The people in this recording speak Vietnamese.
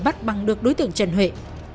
bắt băng được đối tượng trần huệ